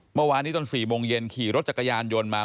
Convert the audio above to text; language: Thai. เมื่อวานนี้ตอน๔โมงเย็นขี่รถจักรยานยนต์มา